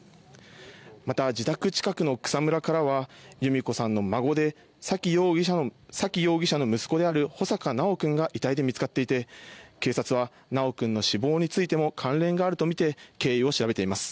また、自宅近くの草むらからは由美子さんの孫で沙喜容疑者の息子である穂坂修君が遺体で見つかっていて警察は修君の死亡についても関連があるとみて経緯を調べています。